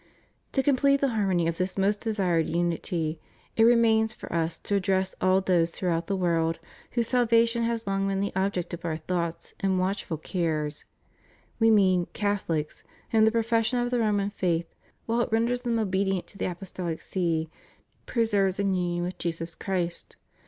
To complete the harmony of this most desired unity, it remains for Us to address all those throughout the world whose salvation has long been the object of Our thoughts and watchful cares; We mean Catholics, whom the pro fession of the Roman faith, while it renders them obedient to the Apostolic See, preserves in union with Jesus Christ 312 THE REUNION OF CHRISTENDOM.